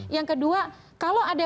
yang kedua kalau ada